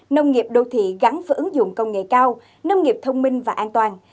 nông nghiệp đô thị gắn với ứng dụng công nghệ cao nông nghiệp thông minh và an toàn